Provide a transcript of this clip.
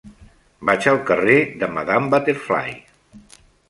Vaig al carrer de Madame Butterfly.